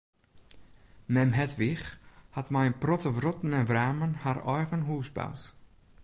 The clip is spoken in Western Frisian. Mem Hedwig hat mei in protte wrotten en wramen har eigen hûs boud.